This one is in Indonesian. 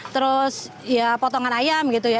terus ya potongan ayam gitu ya